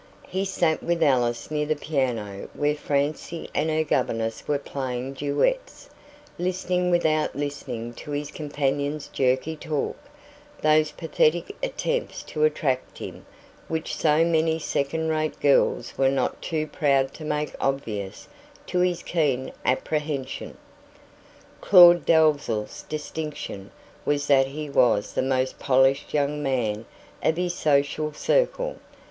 He sat with Alice near the piano where Francie and her governess were playing duets, listening without listening to his companion's jerky talk those pathetic attempts to attract him which so many second rate girls were not too proud to make obvious to his keen apprehension. Claud Dalzell's distinction was that he was the most polished young man of his social circle.